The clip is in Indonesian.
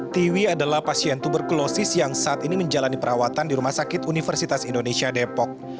tiwi adalah pasien tuberkulosis yang saat ini menjalani perawatan di rumah sakit universitas indonesia depok